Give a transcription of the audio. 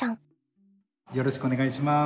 よろしくお願いします。